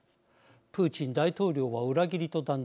プーチン大統領は裏切りと断罪。